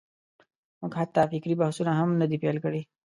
موږ حتی فکري بحثونه هم نه دي پېل کړي.